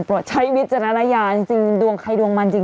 ปลอดใช้วิทยาลัยจริงดวงใครดวงมันจริง